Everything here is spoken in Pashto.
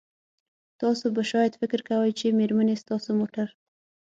تاسو به شاید فکر کوئ چې میرمنې ستاسو موټر